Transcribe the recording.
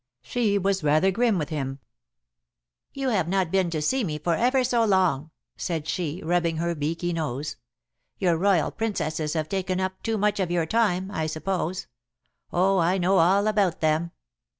She was rather grim with him. "You have not been to see me for ever so long," said she, rubbing her beaky nose. "Your Royal Princesses have taken up too much of your time, I suppose. Oh, I know all about them."